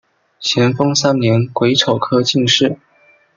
咸丰三年癸丑科进士。